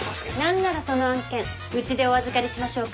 何ならその案件うちでお預かりしましょうか？